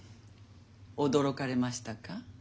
驚かれましたか？